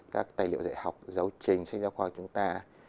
các tài liệu dạy học giáo trình sinh giáo khoa của chúng ta